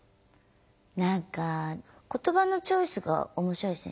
何か言葉のチョイスが面白いですね。